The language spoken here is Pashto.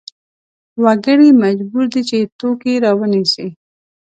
وګړي مجبور دي چې توکې راونیسي.